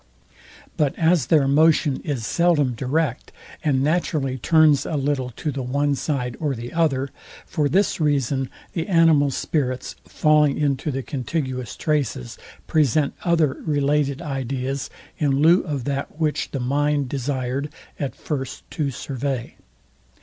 But as their motion is seldom direct, and naturally turns a little to the one side or the other; for this reason the animal spirits, falling into the contiguous traces, present other related ideas in lieu of that, which the mind desired at first to survey.